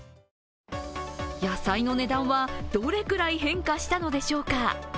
野菜の値段はどれくらい変化したのでしょうか？